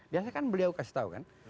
biasa kan beliau kasih tau kan